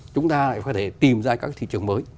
chúng ta lại phải tìm ra các thị trường mới